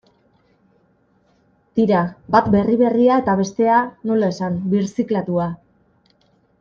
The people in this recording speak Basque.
Tira, bat berri berria eta bestea, nola esan, birziklatua.